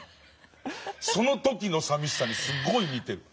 その時のさみしさにすごい似てる。